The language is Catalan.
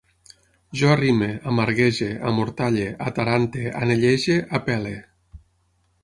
Jo arrime, amarguege, amortalle, atarante, anellege, apel·le